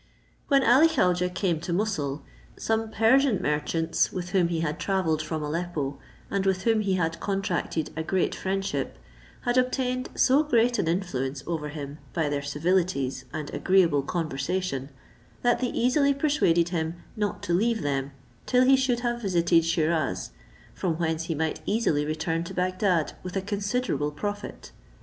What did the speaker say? When Ali Khaujeh came to Moussoul, some Persian merchants, with whom he had travelled from Aleppo, and with whom he had contracted a great friendship, had obtained so great an influence over him by their civilities and agreeable conversation, that they easily persuaded him not to leave them till he should have visited Sheerauz, from whence he might easily return to Bagdad with a considerable profit.